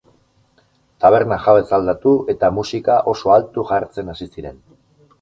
Taberna jabez aldatu, eta musika oso altu jartzen hasi ziren.